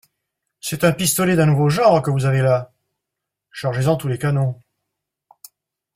C'est un pistolet du nouveau genre que vous avez là ! Chargez-en tous les canons.